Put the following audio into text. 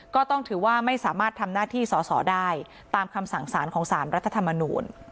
ก็ต้องถือว่าไม่สามารถทำหน้าที่สอสอได้ตามคำสั่งสารของสารรัฐธรรมนูล